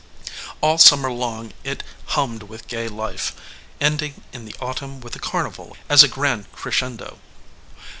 All summer long it hummed with gay life, ending in the autumn with a carnival as a grand crescendo.